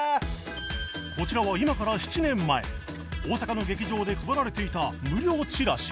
こちらは今から７年前大阪の劇場で配られていた無料ちらし